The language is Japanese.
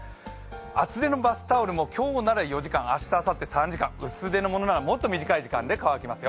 厚手のバスタオルも今日なら４時間明日は３時間、薄手のものなら、もっと短い時間で乾きますよ。